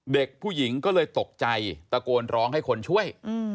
เด็กผู้หญิงก็เลยตกใจตะโกนร้องให้คนช่วย